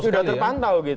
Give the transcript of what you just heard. sudah terpantau gitu